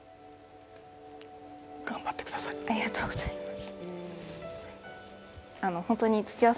ありがとうございます